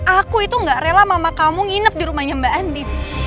aku itu gak rela mama kamu nginep di rumahnya mbak andi